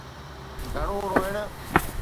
گهڻو روئڻ.